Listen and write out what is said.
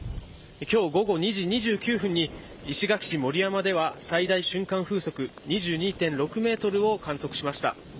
今日午後２時２９分に石垣市盛山では最大瞬間風速２２．６メートルを観測しました。